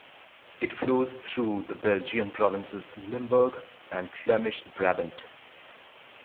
It flows through the Belgian provinces Limburg and Flemish Brabant.